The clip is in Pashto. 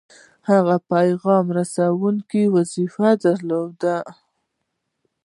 هغه د پیغام رسوونکي وظیفه درلوده.